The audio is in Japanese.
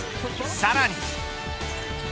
さらに。